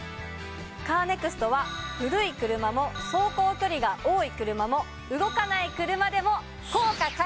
カーネクストは古い車も走行距離が多い車も動かない車でも。